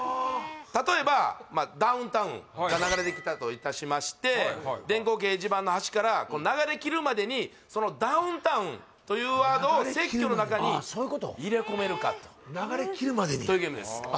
例えばダウンタウンが流れてきたといたしまして電光掲示板の端から流れきるまでにそのダウンタウンというワードを説教の中に入れ込めるかとああそういうこと流れきるまでにというゲームです